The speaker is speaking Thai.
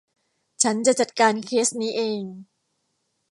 ฉันจะจัดการเคสนี้เอง